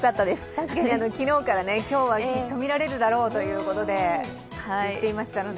確かに昨日から今日はきっと見られるだろうと言っていましたので。